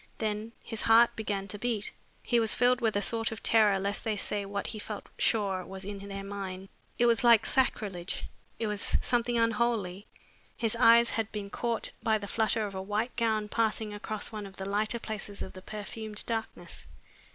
Then his heart began to beat. He was filled with a sort of terror lest they should say what he felt sure was in their minds. It was like sacrilege. It was something unholy. His eyes had been caught by the flutter of a white gown passing across one of the lighter places of the perfumed darkness.